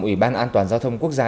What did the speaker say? ủy ban an toàn giao thông quốc gia